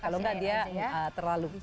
kalau enggak dia terlalu